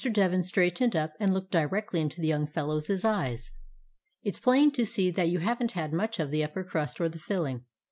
Devin straightened up and looked di rectly into the young fellow's eyes. "It 's plain to see that you have n't had much of the upper crust, or the filling.